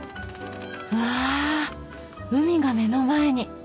わぁ海が目の前に。